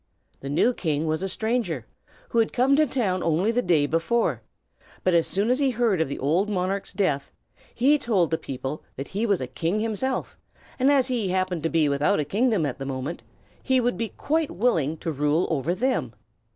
The new king was a stranger, who had come to the town only the day before; but as soon as he heard of the old monarch's death, he told the people that he was a king himself, and as he happened to be without a kingdom at that moment, he would be quite willing to rule over them.